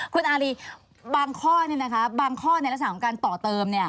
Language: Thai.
คุณอารีบางข้อบางข้อในลักษณะของการต่อเติม